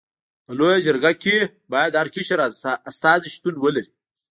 په لويه جرګه کي باید هر قشر استازي شتون ولري.